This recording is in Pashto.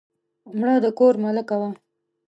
مړه د کور ملکه وه